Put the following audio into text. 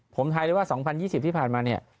ผมทายเลยว่า๒๐๒๐ที่ผ่านมาเนี่ย